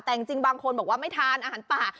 แต่จริงบางคนบอกว่าไม่ทานอาหารป่า